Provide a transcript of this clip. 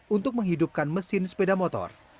untuk menghidupkan mesin sepeda motor